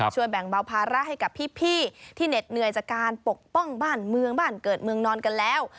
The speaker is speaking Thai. ช่วยแบ่งเบาภาระให้กับพี่ที่เหน็ดเหนื่อยจากการปกป้องบ้านเมืองบ้านเกิดเมืองนอนกันแล้ว